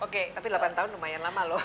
oke tapi delapan tahun lumayan lama loh